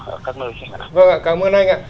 ở các nơi